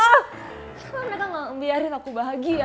kenapa mereka gak ngebiarin aku bahagia